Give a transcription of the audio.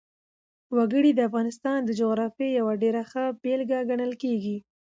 وګړي د افغانستان د جغرافیې یوه ډېره ښه بېلګه ګڼل کېږي.